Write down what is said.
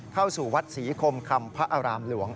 เข้าสู่วัดศรีคมคำพระอารามหลวง